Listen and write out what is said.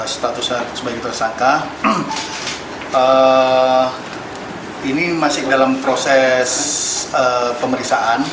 status sebagai tersangka ini masih dalam proses pemeriksaan